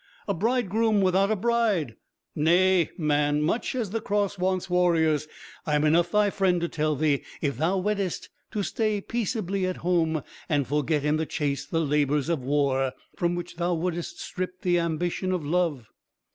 A bridegroom without a bride! Nay, man, much as the Cross wants warriors, I am enough thy friend to tell thee, if thou weddest, to stay peaceably at home, and forget in the chase the labours of war, from which thou wouldst strip the ambition of love."